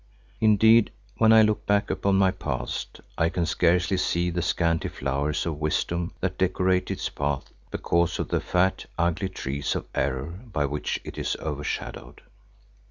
Indeed, when I look back upon my past, I can scarcely see the scanty flowers of wisdom that decorate its path because of the fat, ugly trees of error by which it is overshadowed.